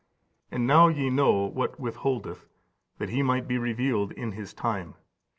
And now ye know what withholdeth, that he might be revealed in his time.